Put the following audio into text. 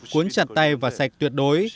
cuốn chặt tay và sạch tuyệt đối